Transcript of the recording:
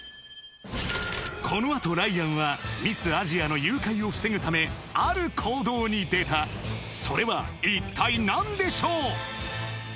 このあとライアンはミス・アジアの誘拐を防ぐためある行動に出たそれは一体何でしょう？